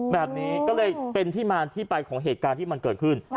แบบนี้ก็เลยเป็นที่มาที่ไปของเหตุการณ์ที่มันเกิดขึ้น